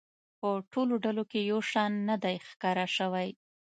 په ټولو ډلو کې یو شان نه دی ښکاره شوی.